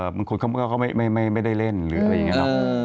บางคนเขาก็ไม่ได้เล่นหรืออะไรอย่างนี้หรอก